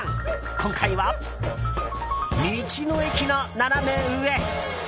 今回は、道の駅のナナメ上。